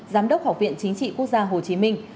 giám đốc học viện chính trị quốc gia hồ chí minh